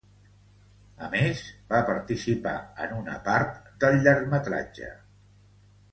A més, va participar en una part del llargmetratge.